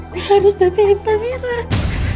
gue harus damaiin pangeran